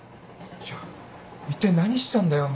じゃあ一体何したんだよ？